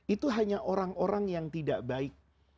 itu hanya orang orang yang tidak baik